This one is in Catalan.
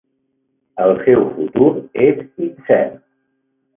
El seu futur és incert.